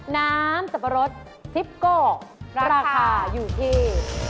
น้ำสับปะรดซิปโก้ราคาอยู่ที่